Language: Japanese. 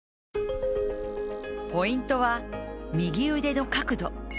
ポイントは右腕の角度。